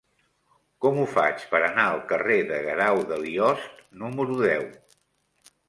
Com ho faig per anar al carrer de Guerau de Liost número deu?